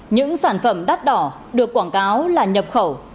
những sản phẩm đắt đỏ được quảng cáo là nhập khẩu